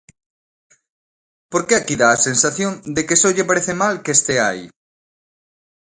Porque aquí dá a sensación de que só lle parece mal que estea aí.